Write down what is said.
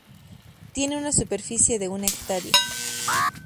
Tiene una superficie de una hectárea.